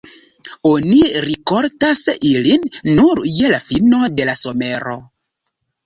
Oni rikoltas ilin nur je la fino de la somero.